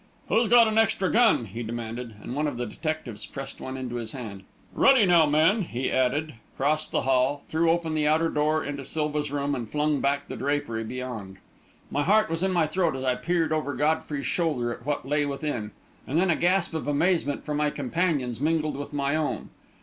"Who's got an extra gun?" he demanded, and one of the detectives pressed one into his hand. "Ready, now, men," he added, crossed the hall, threw open the outer door into Silva's room, and flung back the drapery beyond. My heart was in my throat as I peered over Godfrey's shoulder at what lay within; and then a gasp of amazement from my companions mingled with my own.